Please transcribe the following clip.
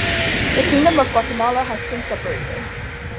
The kingdom of Guatemala has since separated.